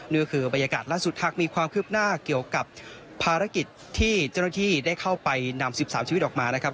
นี่คือบรรยากาศล่าสุดหากมีความคืบหน้าเกี่ยวกับภารกิจที่เจ้าหน้าที่ได้เข้าไปนำ๑๓ชีวิตออกมานะครับ